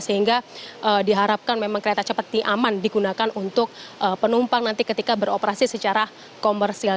sehingga diharapkan memang kereta cepat aman digunakan untuk penumpang nanti ketika beroperasi secara komersial